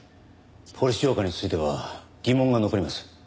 「ポリス浄化ぁ」については疑問が残ります。